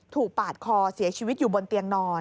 ปาดคอเสียชีวิตอยู่บนเตียงนอน